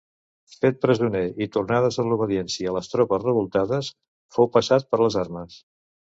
Fet presoner, i tornades a l'obediència les tropes revoltades, fou passat per les armes.